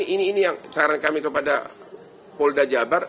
ini yang saran kami kepada polda jabar